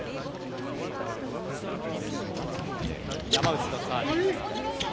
山内のサーブ。